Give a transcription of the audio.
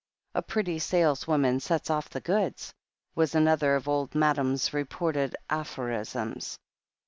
"A pretty saleswoman sets oS the goods," was an other of Old Madam's reported aphorisms.